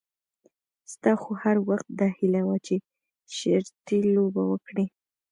ستا خو هر وخت داهیله وه چې شرطي لوبه وکړې.